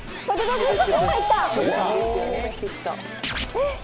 えっ？